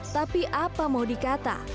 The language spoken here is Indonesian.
tapi apa mau dikata